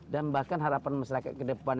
dan bahkan harapan masyarakat kedepan